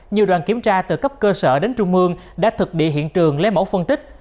nhiều đoàn kiểm tra từ cấp cơ sở đến trung ương đã thực địa hiện trường lấy mẫu phân tích